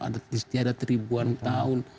ada istiadat ribuan tahun